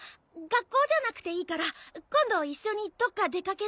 学校じゃなくていいから今度一緒にどっか出掛けない？